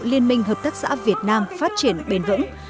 liên minh hợp tác xã việt nam phát triển bền vững